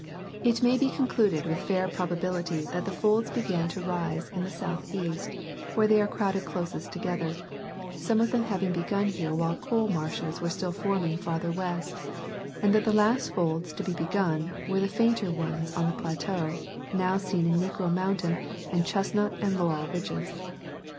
It may be concluded with fair probability that the folds began to rise in the southeast, where they are crowded closest together, some of them having begun here while coal marshes were still forming farther west ; and that the last folds to be begun were the fainter ones on the plateau, now seen in Negro mountain and Chestnut and Laurel ridges.